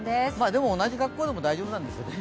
でも、同じ格好でも大丈夫なんですよね。